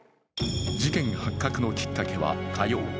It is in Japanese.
事件発覚のきっかけは火曜。